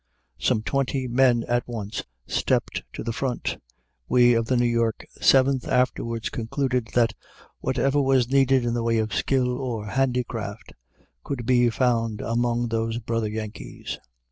Some twenty men at once stepped to the front. We of the New York Seventh afterwards concluded that whatever was needed in the way of skill or handicraft could be found among those brother Yankees.